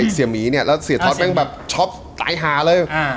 เสียหมีแล้วเสียทอสแบบช็อปตายหาเลย